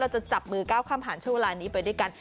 จะจับมือก้าวข้ามผ่านช่วงเวลานี้ไปด้วยกัน